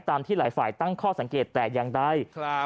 ตามที่หลายฝ่ายตั้งข้อสังเกตแตกยังได้